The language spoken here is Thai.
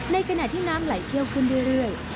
ในขณะที่น้ำไหลเชี่ยวขึ้นเรื่อย